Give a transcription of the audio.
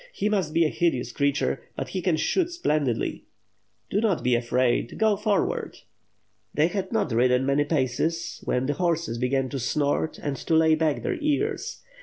He must be a hideous creature. But he can shoot splendidly." * Do not be afraid — ^go forward!" They had not ridden many paces when the horses began to snort and to lay back their ears.